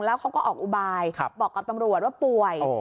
แล้วเขาก็ออกอุบายบอกกับตำรวจว่าป่วย